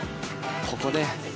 ここで。